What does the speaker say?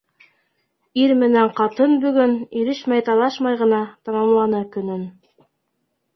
Ир менән ҡатын бөгөн ирешмәй-талашмай ғына тамамланы көнөн.